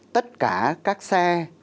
tất cả các xe